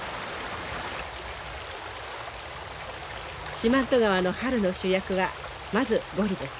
四万十川の春の主役はまずゴリです。